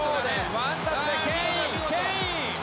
ワンタッチでケインケイン。